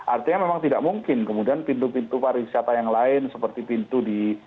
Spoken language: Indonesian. artinya memang tidak mungkin kemudian pintu pintu pariwisata yang lain seperti pintu di